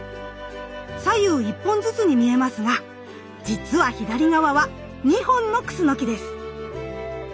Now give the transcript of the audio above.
左右１本ずつに見えますがじつは左側は２本のクスノキです。